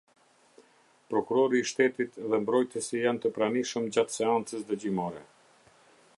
Prokurori i shtetit dhe mbrojtësi janë të pranishëm gjatë seancës dëgjimore.